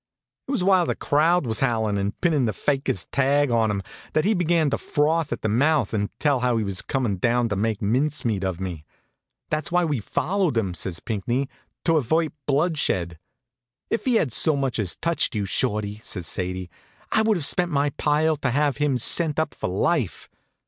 It was while the crowd was howlin' and pinnin' the fakir's tag on him that he began to froth at the mouth and tell how he was comin' down to make mincemeat of me. "That's why we followed him," says Pinckney "to avert bloodshed." "If he had so much as touched you, Shorty," says Sadie, "I would have spent my pile to have had him sent up for life."